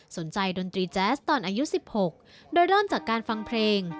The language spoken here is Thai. ดนตรีแจ๊สตอนอายุ๑๖โดยเริ่มจากการฟังเพลง